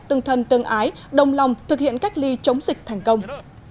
tương thân tương ái đồng lòng thực hiện cách ly chống dịch thành công